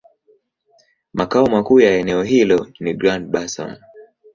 Makao makuu ya eneo hilo ni Grand-Bassam.